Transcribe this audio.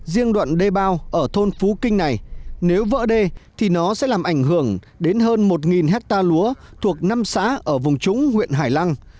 riêng đoạn đề bào ở thôn phú kinh này nếu vỡ đề thì nó sẽ làm ảnh hưởng đến hơn một ha lúa thuộc năm xã ở vùng trúng huyện hải lăng